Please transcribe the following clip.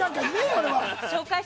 俺は！